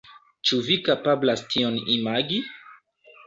Ĉu vi kapablas tion imagi?